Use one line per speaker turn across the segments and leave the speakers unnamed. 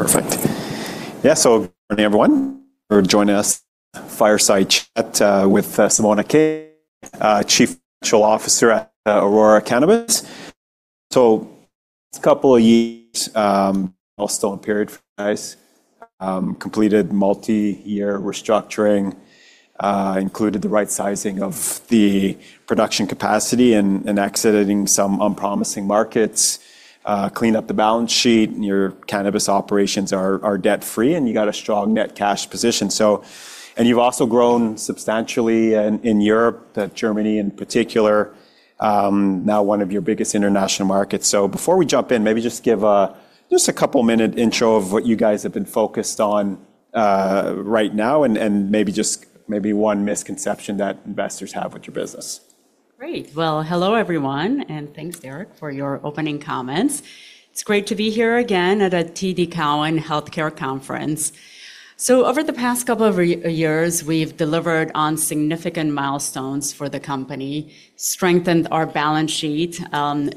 Perfect. Yeah, good morning everyone for joining us Fireside Chat with Simona King, Chief Financial Officer at Aurora Cannabis. It's couple of years milestone period for you guys. Completed multi-year restructuring, included the right sizing of the production capacity and exiting some unpromising markets, cleaned up the balance sheet, and your cannabis operations are debt-free, and you got a strong net cash position. You've also grown substantially in Europe, Germany in particular, now one of your biggest international markets. Before we jump in, maybe just give a just a couple minute intro of what you guys have been focused on right now and maybe just maybe one misconception that investors have with your business.
Great. Well, hello everyone, and thanks Derek for your opening comments. It's great to be here again at a TD Cowen Healthcare Conference. Over the past couple of years, we've delivered on significant milestones for the company, strengthened our balance sheet,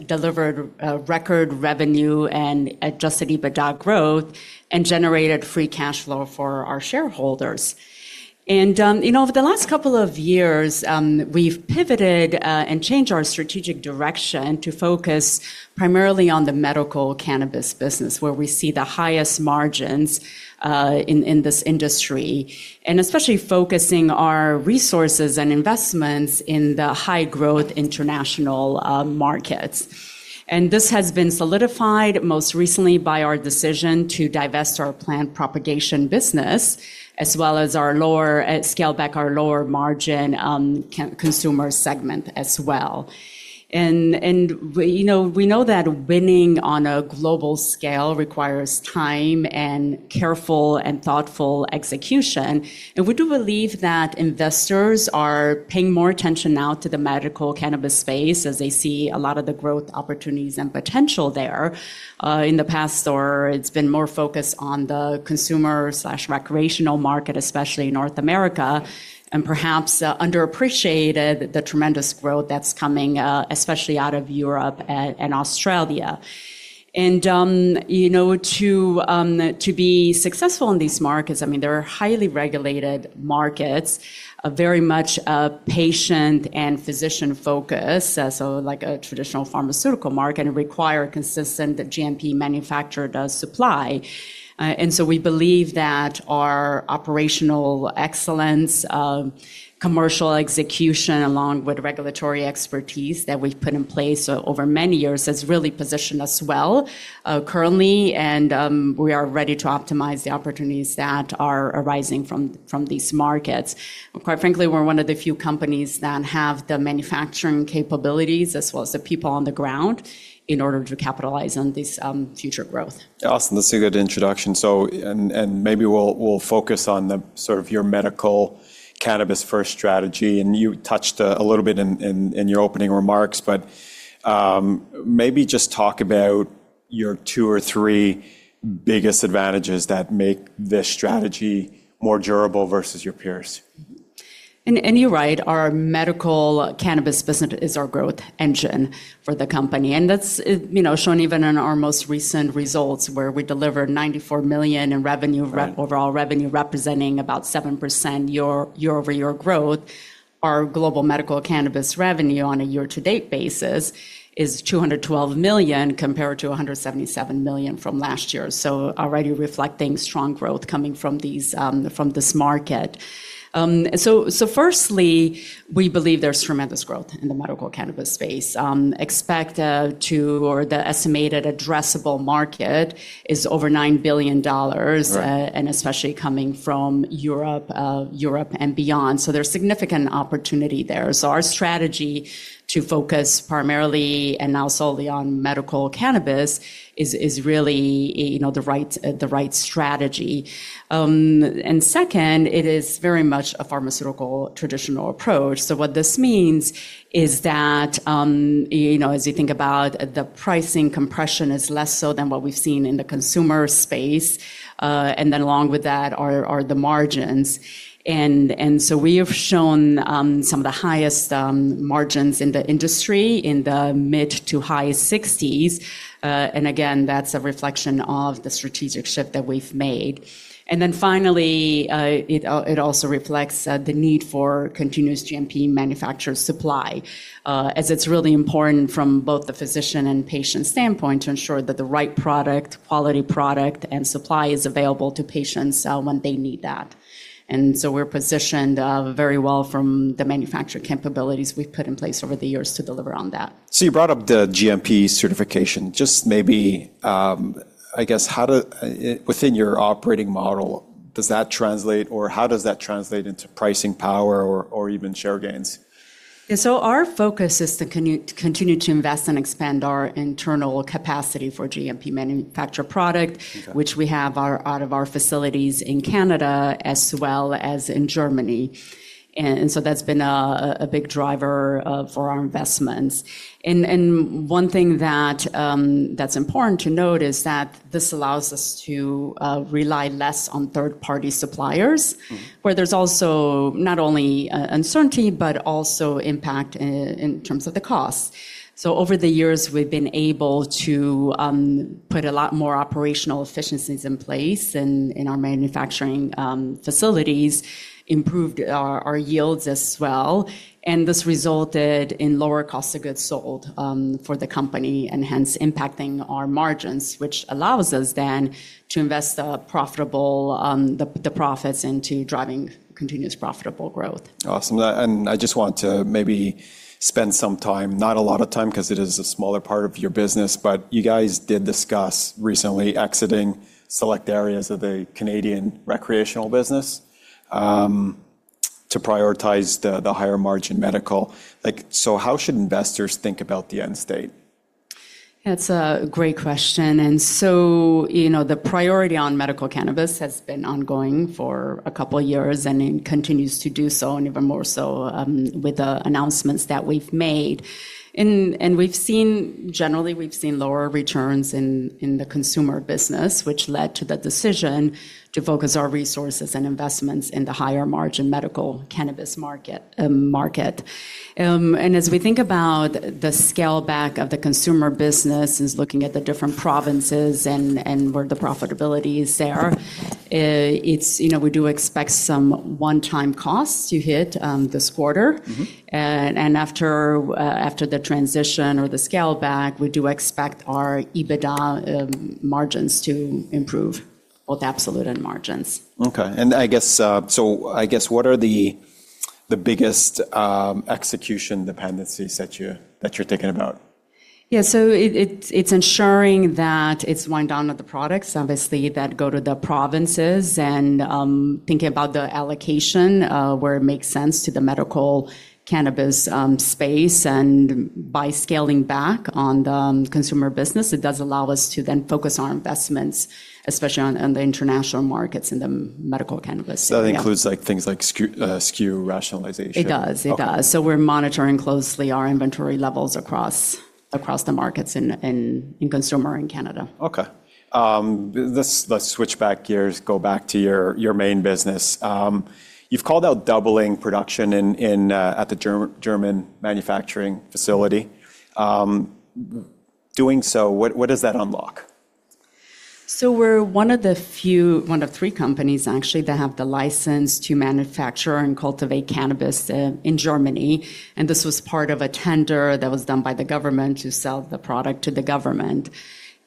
delivered record revenue and Adjusted EBITDA growth and generated free cash flow for our shareholders. You know, over the last couple of years, we've pivoted and changed our strategic direction to focus primarily on the medical cannabis business where we see the highest margins in this industry, and especially focusing our resources and investments in the high-growth international markets. This has been solidified most recently by our decision to divest our plant propagation business, as well as our lower scale back our lower margin consumer segment as well. We, you know, we know that winning on a global scale requires time and careful and thoughtful execution, and we do believe that investors are paying more attention now to the medical cannabis space as they see a lot of the growth opportunities and potential there. In the past or it's been more focused on the consumer/recreational market, especially in North America, and perhaps underappreciated the tremendous growth that's coming especially out of Europe and Australia. You know, to be successful in these markets, I mean, they are highly regulated markets, very much patient and physician-focused, so like a traditional pharmaceutical market and require consistent GMP manufactured supply. We believe that our operational excellence, commercial execution, along with regulatory expertise that we've put in place over many years, has really positioned us well, currently. We are ready to optimize the opportunities that are arising from these markets. Quite frankly, we're one of the few companies that have the manufacturing capabilities as well as the people on the ground in order to capitalize on this, future growth.
Awesome. That's a good introduction. Maybe we'll focus on the sort of your medical cannabis-first strategy. You touched a little bit in your opening remarks, but, maybe just talk about your two or three biggest advantages that make this strategy more durable versus your peers.
You're right, our medical cannabis business is our growth engine for the company. That's, you know, shown even in our most recent results, where we delivered 94 million in overall revenue, representing about 7% year-over-year growth. Our global medical cannabis revenue on a year-to-date basis is 212 million compared to 177 million from last year. Already reflecting strong growth coming from these from this market. Firstly, we believe there's tremendous growth in the medical cannabis space. Expect to or the estimated addressable market is over 9 billion dollars and especially coming from Europe and beyond. There's significant opportunity there. Our strategy to focus primarily and now solely on medical cannabis is really, you know, the right strategy. Second, it is very much a pharmaceutical traditional approach. What this means is that, you know, as you think about the pricing compression is less so than what we've seen in the consumer space. Then along with that are the margins. We have shown some of the highest margins in the industry in the mid-to-high 60s%. Again, that's a reflection of the strategic shift that we've made. Finally, it also reflects the need for continuous GMP manufacturer supply, as it's really important from both the physician and patient standpoint to ensure that the right product, quality product and supply is available to patients, when they need that. We're positioned very well from the manufacturer capabilities we've put in place over the years to deliver on that.
You brough`t up the GMP certification. Just maybe, I guess, within your operating model, how does that translate into pricing power or even share gains?
Yeah, our focus is to continue to invest and expand our internal capacity for GMP manufactured product.
Okay.
Which we have our, out of our facilities in Canada as well as in Germany. That's been a big driver for our investments. One thing that's important to note is that this allows us to rely less on third-party suppliers. Where there's also not only uncertainty, but also impact in terms of the cost. Over the years, we've been able to put a lot more operational efficiencies in place in our manufacturing facilities, improved our yields as well, and this resulted in lower cost of goods sold for the company and hence impacting our margins, which allows us then to invest the profitable the profits into driving continuous profitable growth.
Awesome. I just want to maybe spend some time, not a lot of time, 'cause it is a smaller part of your business, but you guys did discuss recently exiting select areas of the Canadian recreational business, to prioritize the higher-margin medical. How should investors think about the end state?
That's a great question. You know, the priority on medical cannabis has been ongoing for a couple years, and it continues to do so, and even more so, with the announcements that we've made. Generally, we've seen lower returns in the consumer business, which led to the decision to focus our resources and investments in the higher-margin medical cannabis market. As we think about the scale back of the consumer business is looking at the different provinces and where the profitability is there. It's, you know, we do expect some one-time costs to hit, this quarter. After the transition or the scale back, we do expect our EBITDA margins to improve, both absolute and margins.
Okay. I guess what are the biggest execution dependencies that you're thinking about?
Yeah. It's ensuring that it's wind down of the products, obviously, that go to the provinces and thinking about the allocation where it makes sense to the medical cannabis space. By scaling back on the consumer business, it does allow us to then focus our investments, especially on the international markets in the medical cannabis area.
That includes, like, things like SKU rationalization?
It does. It does.
Okay.
We're monitoring closely our inventory levels across the markets in consumer in Canada.
Okay. let's switch back gears, go back to your main business. you've called out doubling production in at the German manufacturing facility. doing so, what does that unlock?
We're one of the few, one of 3 companies actually, that have the license to manufacture and cultivate cannabis in Germany, and this was part of a tender that was done by the government to sell the product to the government.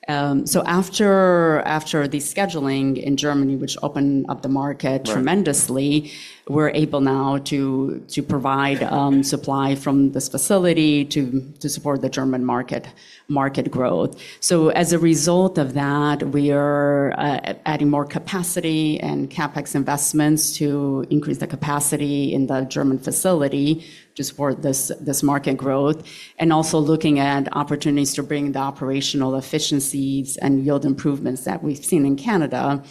After the scheduling in Germany, which opened up the market tremendously, we're able now to provide supply from this facility to support the German market growth. As a result of that, we are adding more capacity and CapEx investments to increase the capacity in the German facility to support this market growth and also looking at opportunities to bring the operational efficiencies and yield improvements that we've seen in Canada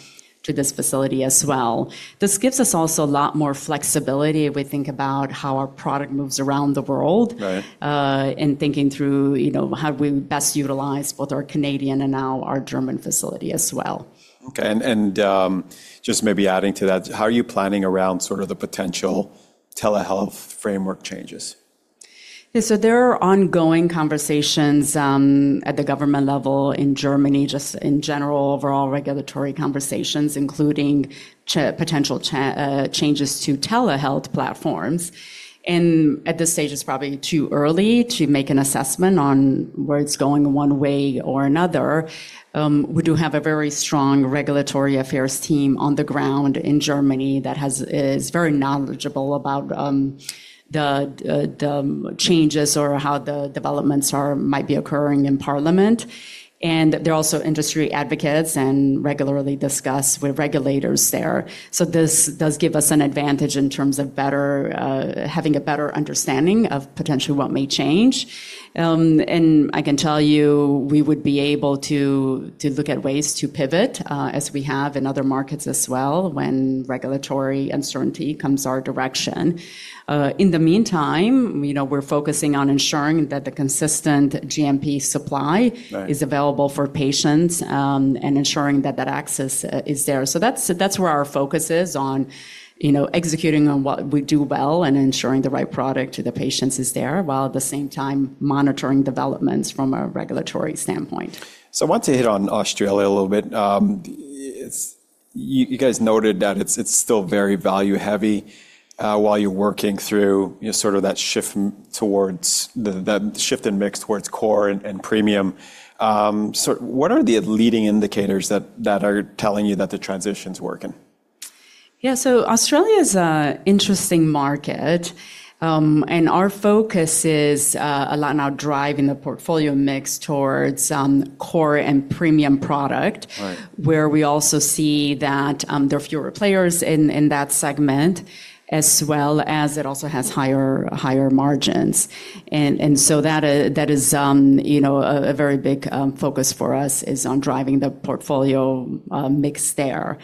to this facility as well. This gives us also a lot more flexibility if we think about how our product moves around the world.
Right.
In thinking through, you know, how we best utilize both our Canadian and now our German facility as well.
Okay. just maybe adding to that, how are you planning around sort of the potential telehealth framework changes?
Yeah. There are ongoing conversations at the government level in Germany, just in general overall regulatory conversations, including potential changes to telehealth platforms. At this stage, it's probably too early to make an assessment on where it's going one way or another. We do have a very strong regulatory affairs team on the ground in Germany that is very knowledgeable about the changes or how the developments might be occurring in parliament. They're also industry advocates and regularly discuss with regulators there. This does give us an advantage in terms of better having a better understanding of potentially what may change. I can tell you, we would be able to look at ways to pivot, as we have in other markets as well when regulatory uncertainty comes our direction. In the meantime, you know, we're focusing on ensuring that the consistent GMP supply is available for patients, and ensuring that that access is there. That's, that's where our focus is on, you know, executing on what we do well and ensuring the right product to the patients is there, while at the same time monitoring developments from a regulatory standpoint.
I want to hit on Australia a little bit. You guys noted that it's still very value-heavy, while you're working through, you know, sort of that shift towards that shift in mix towards core and premium. What are the leading indicators that are telling you that the transition's working?
Yeah, Australia's a interesting market, and our focus is a lot now driving the portfolio mix towards core and premium product.
Right
Where we also see that, there are fewer players in that segment as well as it also has higher margins. That is, you know, a very big focus for us, is on driving the portfolio mix there.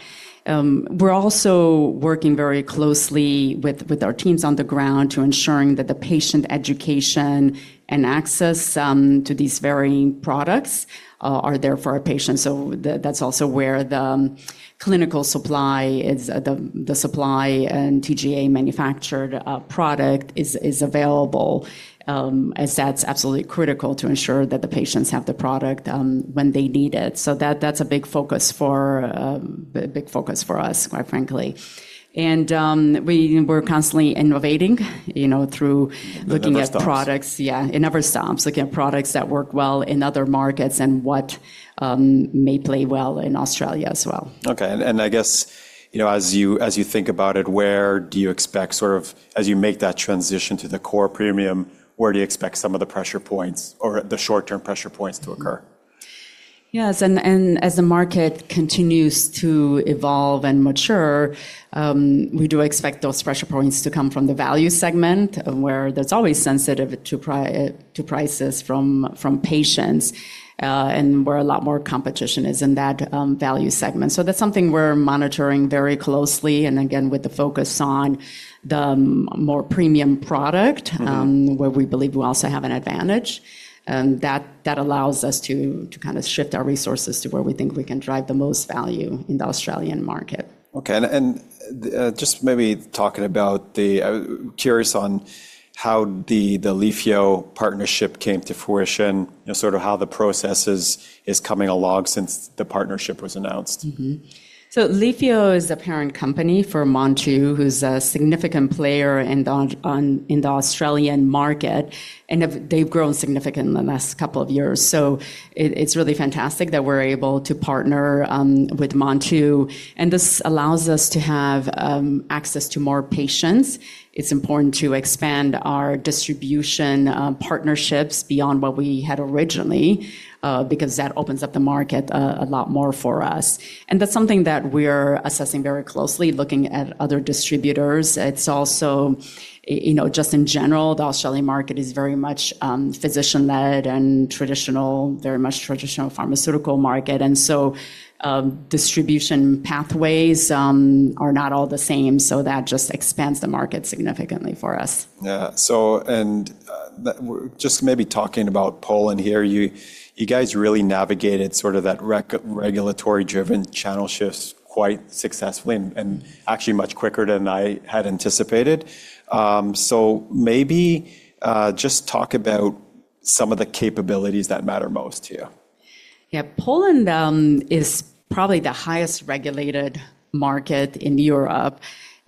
We're also working very closely with our teams on the ground to ensuring that the patient education and access to these varying products are there for our patients. That's also where the clinical supply is, the supply and TGA manufactured product is available, as that's absolutely critical to ensure that the patients have the product when they need it. That's a big focus for us, quite frankly. We're constantly innovating, you know, through looking at products-
It never stops.
Yeah, it never stops. Looking at products that work well in other markets and what, may play well in Australia as well.
Okay. I guess, you know, as you think about it, as you make that transition to the core premium, where do you expect some of the pressure points or the short-term pressure points to occur?
Yes. As the market continues to evolve and mature, we do expect those pressure points to come from the value segment where that's always sensitive to prices from patients, and where a lot more competition is in that, value segment. That's something we're monitoring very closely, and again, with the focus on the more premium product. Where we believe we also have an advantage. That allows us to kind of shift our resources to where we think we can drive the most value in the Australian market.
Okay. I'm curious on how the Leafio partnership came to fruition, you know, sort of how the process is coming along since the partnership was announced.
Leafio is the parent company for Montu, who's a significant player in the Australian market, and they've grown significantly in the last couple of years. It's really fantastic that we're able to partner with Montu, and this allows us to have access to more patients. It's important to expand our distribution partnerships beyond what we had originally, because that opens up the market a lot more for us. That's something that we're assessing very closely, looking at other distributors. It's also, you know, just in general, the Australian market is very much physician-led and traditional. Very much traditional pharmaceutical market. Distribution pathways are not all the same, so that just expands the market significantly for us.
Yeah. Just maybe talking about Poland here, you guys really navigated sort of that regulatory-driven channel shifts quite successfully and actually much quicker than I had anticipated. Maybe just talk about some of the capabilities that matter most to you.
Yeah. Poland is probably the highest regulated market in Europe,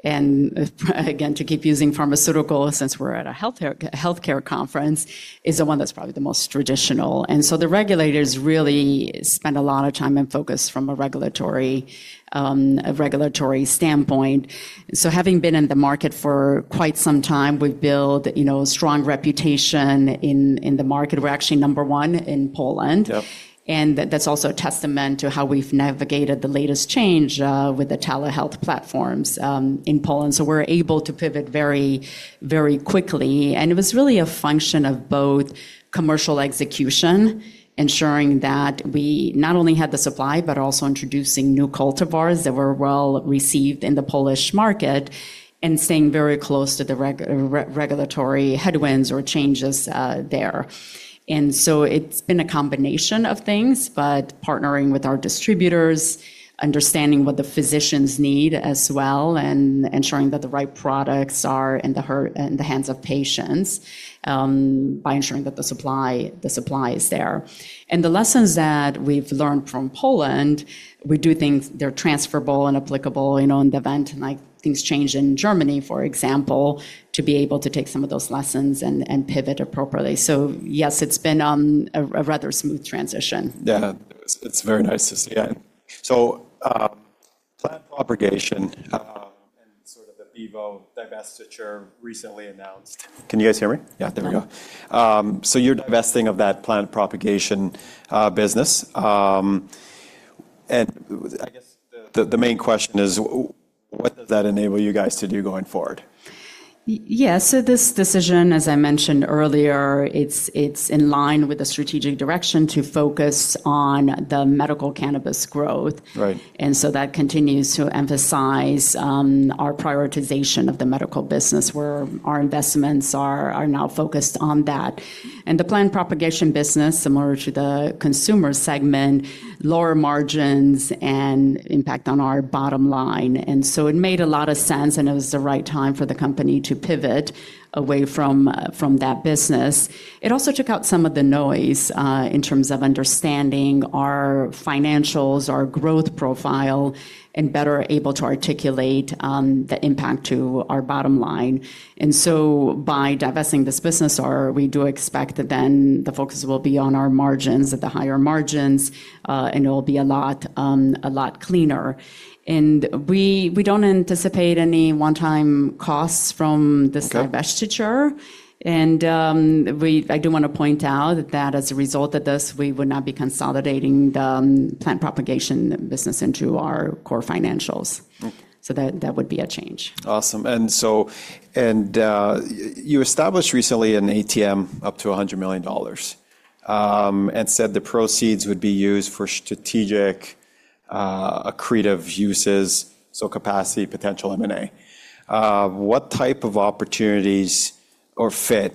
and again, to keep using pharmaceutical, since we're at a healthcare conference, is the one that's probably the most traditional. The regulators really spend a lot of time and focus from a regulatory, a regulatory standpoint. Having been in the market for quite some time, we've built, you know, a strong reputation in the market. We're actually number one in Poland.
Yep.
That's also a testament to how we've navigated the latest change with the telehealth platforms in Poland. We're able to pivot very, very quickly. It was really a function of both commercial execution, ensuring that we not only had the supply, but also introducing new cultivars that were well-received in the Polish market and staying very close to the regulatory headwinds or changes there. It's been a combination of things, but partnering with our distributors, understanding what the physicians need as well, and ensuring that the right products are in the hands of patients by ensuring that the supply is there. The lessons that we've learned from Poland, we do think they're transferable and applicable, you know, in the event, like things change in Germany, for example, to be able to take some of those lessons and pivot appropriately. Yes, it's been a rather smooth transition.
Yeah. It's, it's very nice to see. Yeah. plant propagation, and sort of the Bevo divestiture recently announced. Can you guys hear me? Yeah, there we go. you're divesting of that plant propagation business. I guess the main question is: what does that enable you guys to do going forward?
Yes. This decision, as I mentioned earlier, it's in line with the strategic direction to focus on the medical cannabis growth.
Right.
That continues to emphasize, our prioritization of the medical business, where our investments are now focused on that. The plant propagation business, similar to the consumer segment, lower margins and impact on our bottom line. It made a lot of sense, and it was the right time for the company to pivot away from that business. It also took out some of the noise in terms of understanding our financials, our growth profile, and better able to articulate the impact to our bottom line. By divesting this business, we do expect that then the focus will be on our margins, at the higher margins, and it will be a lot, a lot cleaner. We don't anticipate any one-time costs from this...
Okay
I do wanna point out that as a result of this, we would now be consolidating the plant propagation business into our core financials.
Okay.
That, that would be a change.
Awesome. You established recently an ATM up to $100 million and said the proceeds would be used for strategic, accretive uses, so capacity potential M&A. What type of opportunities or fit,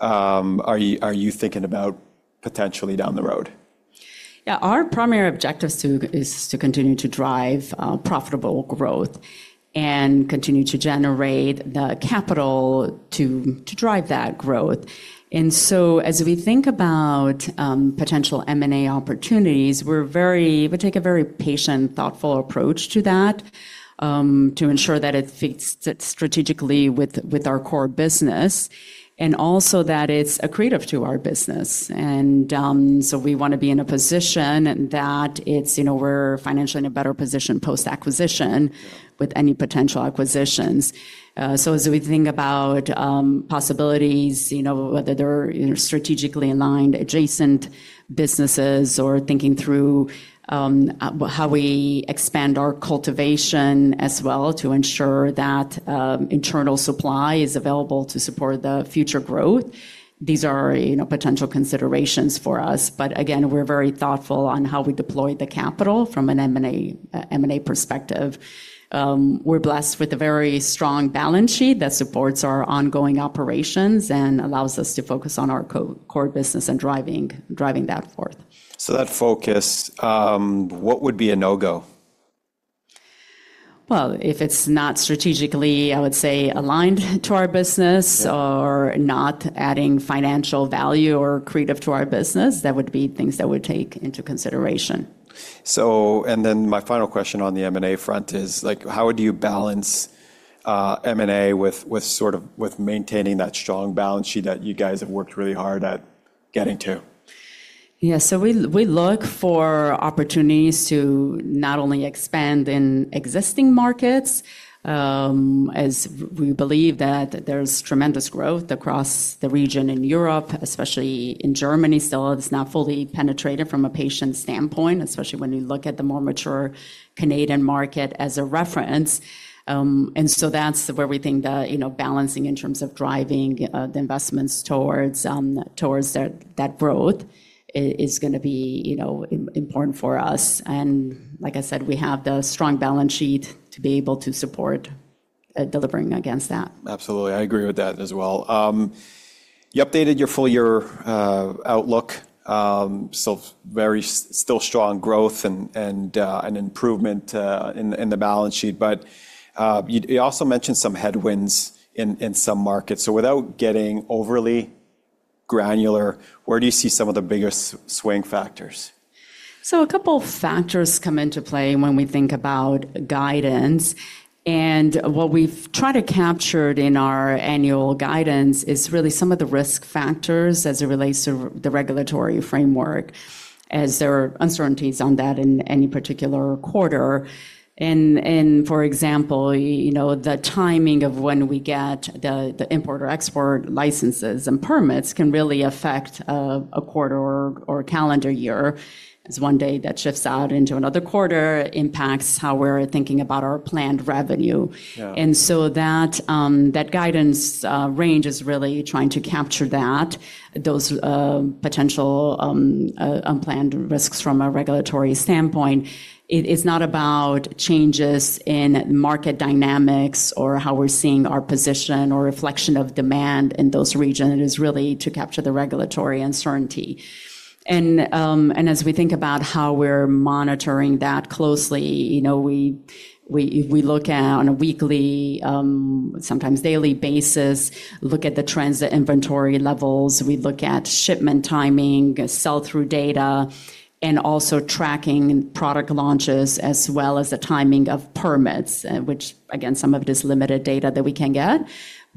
are you thinking about potentially down the road?
Yeah. Our primary objective is to continue to drive profitable growth and continue to generate the capital to drive that growth. As we think about potential M&A opportunities, we take a very patient, thoughtful approach to that to ensure that it fits strategically with our core business and also that it's accretive to our business. So we wanna be in a position that it's, you know, we're financially in a better position post-acquisition with any potential acquisitions. So as we think about possibilities, you know, whether they're, you know, strategically aligned adjacent businesses or thinking through how we expand our cultivation as well to ensure that internal supply is available to support the future growth, these are, you know, potential considerations for us. We're very thoughtful on how we deploy the capital from an M&A perspective. We're blessed with a very strong balance sheet that supports our ongoing operations and allows us to focus on our core business and driving that forth.
That focus, what would be a no-go?
Well, if it's not strategically, I would say, aligned to our business or not adding financial value or accretive to our business, that would be things that we take into consideration.
My final question on the M&A front is, like, how would you balance M&A with maintaining that strong balance sheet that you guys have worked really hard at getting to?
We look for opportunities to not only expand in existing markets, as we believe that there's tremendous growth across the region in Europe, especially in Germany still. It's not fully penetrated from a patient standpoint, especially when you look at the more mature Canadian market as a reference. That's where we think the, you know, balancing in terms of driving the investments towards that growth is gonna be, you know, important for us. Like I said, we have the strong balance sheet to be able to support delivering against that.
Absolutely. I agree with that as well. You updated your full year outlook, still strong growth and an improvement in the balance sheet. You also mentioned some headwinds in some markets. Without getting overly granular, where do you see some of the biggest swaying factors?
A couple factors come into play when we think about guidance. What we've tried to capture in our annual guidance is really some of the risk factors as it relates to the regulatory framework, as there are uncertainties on that in any particular quarter. For example, you know, the timing of when we get the import or export licenses and permits can really affect a quarter or calendar year. 'Cause one day that shifts out into another quarter impacts how we're thinking about our planned revenue.
Yeah.
That guidance range is really trying to capture that, those potential unplanned risks from a regulatory standpoint. It is not about changes in market dynamics or how we're seeing our position or reflection of demand in those regions. It is really to capture the regulatory uncertainty. As we think about how we're monitoring that closely, you know, we look at on a weekly, sometimes daily basis, look at the trends at inventory levels. We look at shipment timing, sell-through data, and also tracking product launches as well as the timing of permits, which again, some of it is limited data that we can get.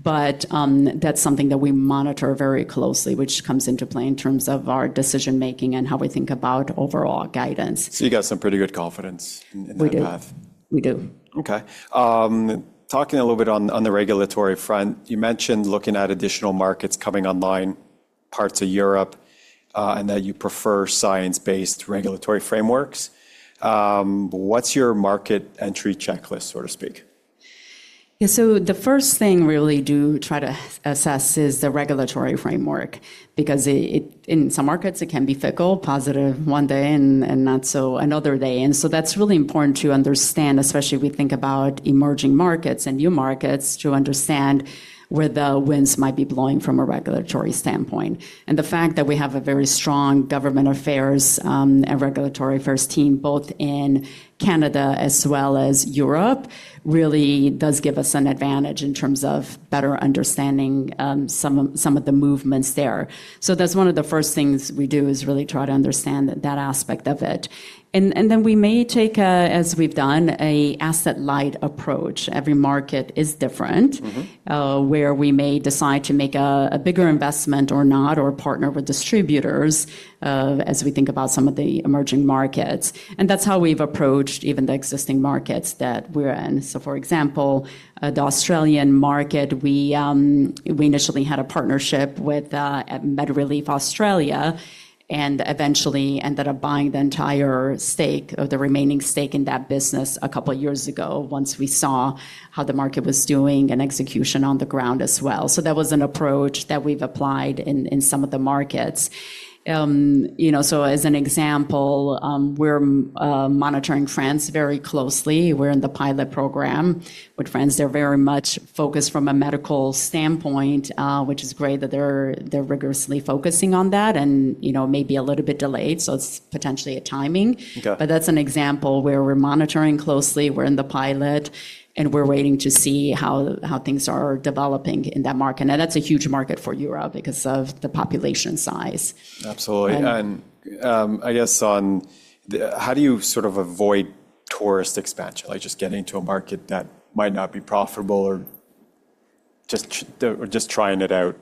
That's something that we monitor very closely, which comes into play in terms of our decision-making and how we think about overall guidance.
You got some pretty good confidence in that path.
We do. We do.
Okay. talking a little bit on the regulatory front, you mentioned looking at additional markets coming online, parts of Europe, and that you prefer science-based regulatory frameworks. What's your market entry checklist, so to speak?
Yeah. The first thing we really do try to assess is the regulatory framework, because in some markets it can be fickle, positive one day and not so another day. That's really important to understand, especially if we think about emerging markets and new markets, to understand where the winds might be blowing from a regulatory standpoint. The fact that we have a very strong government affairs, and regulatory affairs team both in Canada as well as Europe really does give us an advantage in terms of better understanding, some of the movements there. That's one of the first things we do is really try to understand that aspect of it. Then we may take a, as we've done, a asset-light approach, every market is different. Where we may decide to make a bigger investment or not, or partner with distributors, as we think about some of the emerging markets. That's how we've approached even the existing markets that we're in. For example, the Australian market, we initially had a partnership with MedReleaf Australia, eventually ended up buying the entire stake, or the remaining stake in that business a couple of years ago once we saw how the market was doing and execution on the ground as well. That was an approach that we've applied in some of the markets. You know, as an example, we're monitoring France very closely. We're in the pilot program with France. They're very much focused from a medical standpoint, which is great that they're rigorously focusing on that and, you know, may be a little bit delayed. It's potentially a timing.
Okay.
That's an example where we're monitoring closely, we're in the pilot, and we're waiting to see how things are developing in that market. That's a huge market for Europe because of the population size.
Absolutely. I guess how do you sort of avoid tourist expansion, like just getting to a market that might not be profitable or just trying it out?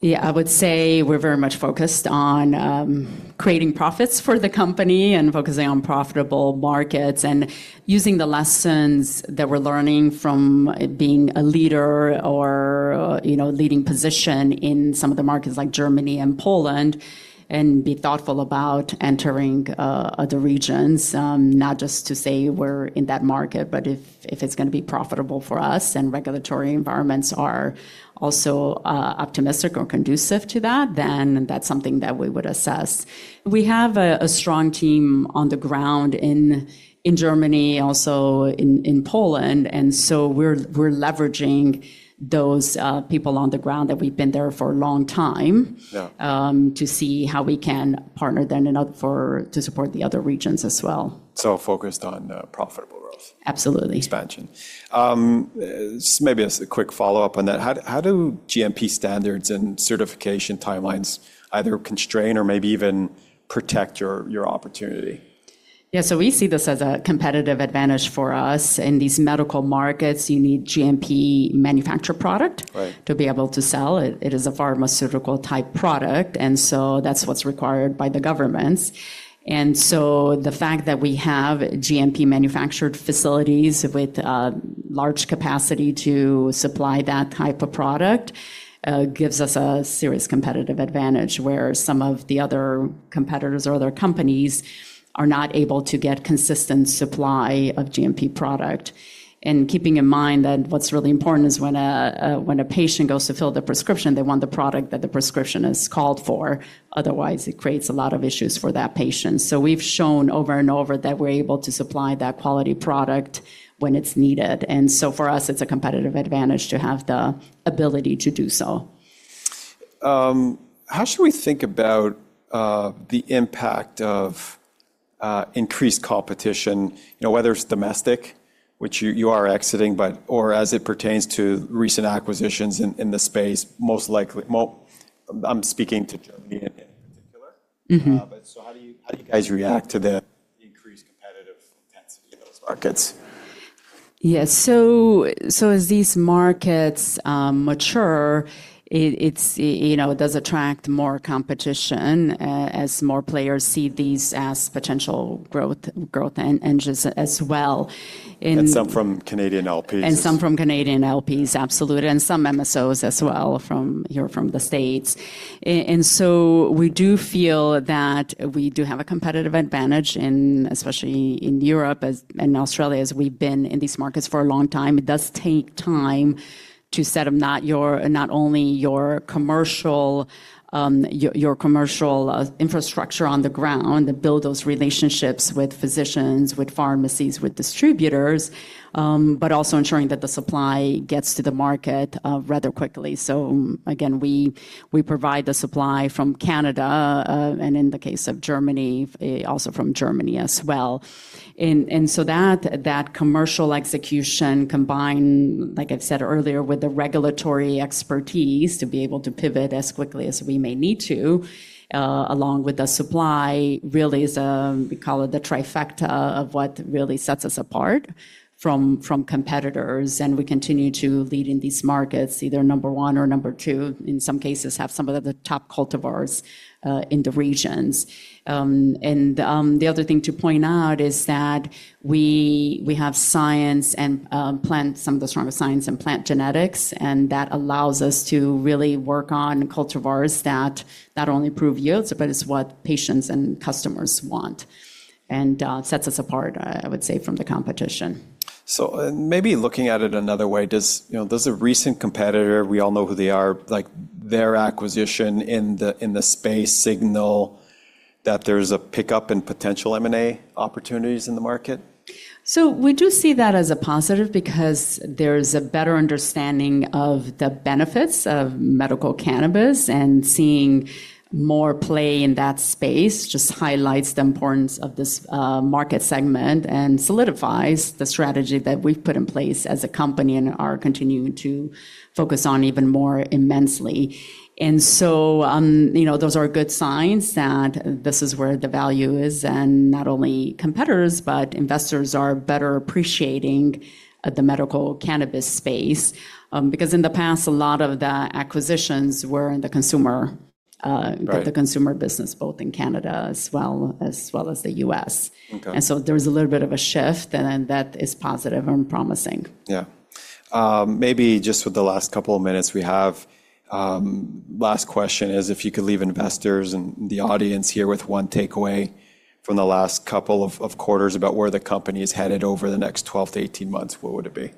Yeah, I would say we're very much focused on creating profits for the company and focusing on profitable markets and using the lessons that we're learning from being a leader or, you know, leading position in some of the markets like Germany and Poland, and be thoughtful about entering other regions, not just to say we're in that market, but if it's gonna be profitable for us and regulatory environments are also optimistic or conducive to that, then that's something that we would assess. We have a strong team on the ground in Germany, also in Poland. We're leveraging those people on the ground that we've been there for a long time.
Yeah
To see how we can partner then to support the other regions as well.
Focused on profitable growth...
Absolutely...
expansion. maybe as a quick follow-up on that, how do GMP standards and certification timelines either constrain or maybe even protect your opportunity?
Yeah, we see this as a competitive advantage for us. In these medical markets, you need GMP manufacture product.
Right
To be able to sell. It is a pharmaceutical-type product. That's what's required by the governments. The fact that we have GMP-manufactured facilities with large capacity to supply that type of product, gives us a serious competitive advantage, where some of the other competitors or other companies are not able to get consistent supply of GMP product. Keeping in mind that what's really important is when a patient goes to fill the prescription, they want the product that the prescription has called for, otherwise it creates a lot of issues for that patient. We've shown over and over that we're able to supply that quality product when it's needed. For us it's a competitive advantage to have the ability to do so.
How should we think about the impact of increased competition, you know, whether it's domestic, which you are exiting, but or as it pertains to recent acquisitions in the space most likely? Well, I'm speaking to Germany in particular. How do you, how do you guys react to the increased competitive intensity in those markets?
Yeah. As these markets mature, it's, you know, does attract more competition, as more players see these as potential growth engines as well.
Some from Canadian LPs.
Some from Canadian LPs, absolutely, and some MSOs as well from here, from the States. We do feel that we do have a competitive advantage in, especially in Europe and Australia, as we've been in these markets for a long time. It does take time to set up not your, not only your commercial, your commercial infrastructure on the ground and build those relationships with physicians, with pharmacies, with distributors, but also ensuring that the supply gets to the market rather quickly. Again, we provide the supply from Canada, and in the case of Germany, also from Germany as well. That commercial execution combined, like I've said earlier, with the regulatory expertise to be able to pivot as quickly as we may need to, along with the supply really is, we call it the trifecta of what really sets us apart from competitors. We continue to lead in these markets, either number 1 or number 2, in some cases have some of the top cultivars in the regions. The other thing to point out is that we have science and plant some of the strongest science and plant genetics, and that allows us to really work on cultivars that not only prove yields, but it's what patients and customers want and sets us apart, I would say, from the competition.
Maybe looking at it another way, does, you know, does a recent competitor, we all know who they are, like their acquisition in the space signal that there's a pickup in potential M&A opportunities in the market?
We do see that as a positive because there's a better understanding of the benefits of medical cannabis, and seeing more play in that space just highlights the importance of this market segment and solidifies the strategy that we've put in place as a company and are continuing to focus on even more immensely. You know, those are good signs that this is where the value is, and not only competitors, but investors are better appreciating the medical cannabis space because in the past a lot of the acquisitions were in the consumer.
Right
The consumer business, both in Canada as well as the U.S.
Okay.
There was a little bit of a shift and that is positive and promising.
Yeah. Maybe just with the last couple of minutes we have, last question is if you could leave investors and the audience here with one takeaway from the last couple of quarters about where the company's headed over the next 12-18 months, what would it be?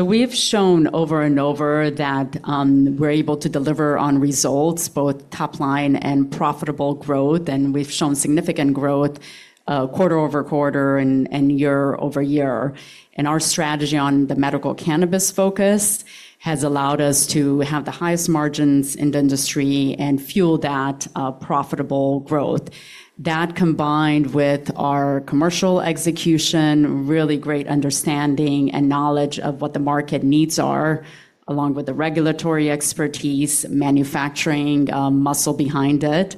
We've shown over and over that we're able to deliver on results, both top line and profitable growth, and we've shown significant growth quarter-over-quarter and year-over-year. Our strategy on the medical cannabis focus has allowed us to have the highest margins in the industry and fuel that profitable growth. That combined with our commercial execution, really great understanding and knowledge of what the market needs are, along with the regulatory expertise, manufacturing muscle behind it,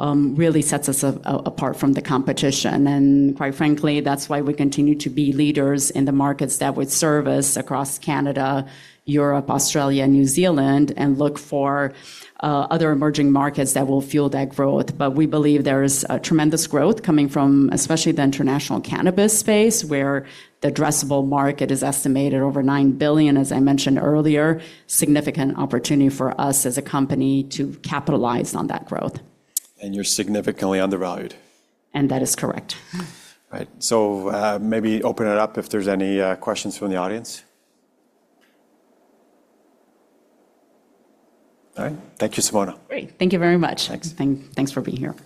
really sets us apart from the competition. Quite frankly, that's why we continue to be leaders in the markets that we service across Canada, Europe, Australia, New Zealand, and look for other emerging markets that will fuel that growth. We believe there is a tremendous growth coming from especially the international cannabis space, where the addressable market is estimated over 9 billion, as I mentioned earlier, significant opportunity for us as a company to capitalize on that growth.
You're significantly undervalued.
That is correct.
Right. maybe open it up if there's any questions from the audience. All right. Thank you, Simona.
Great. Thank you very much. Thanks, thanks for being here.